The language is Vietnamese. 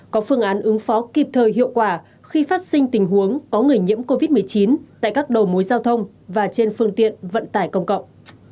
có phương án ứng phó kịp thời hiệu quả khi phát sinh tình huống có người nhiễm covid một mươi chín tại các đầu mối giao thông và trên phương tiện vận tải công cộng